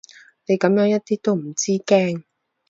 你噉樣一啲都唔知驚